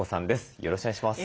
よろしくお願いします。